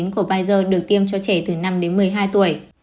của pfizer được tiêm cho trẻ từ năm đến một mươi hai tuổi